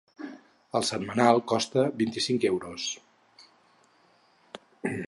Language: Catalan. El setmanal costa vint-i-cinc euros.